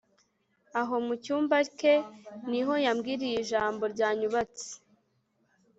aho mu cyumba ke ni ho yambwiriye ijambo ryanyubatse